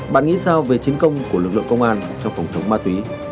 bạn nghĩ sao về chiến công của lực lượng công an trong phòng chống ma túy